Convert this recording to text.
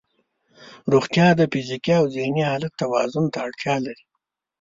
روغتیا د فزیکي او ذهني حالت توازن ته اړتیا لري.